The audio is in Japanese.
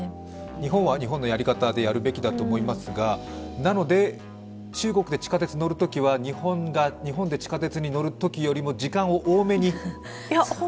日本は日本のやり方でやるべきだと思いますが、なので、中国で地下鉄に乗るときは日本で地下鉄に乗るときよりも時間を多めに。